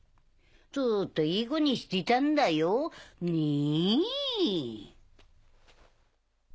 ずっといい子にしてたんだよねぇ。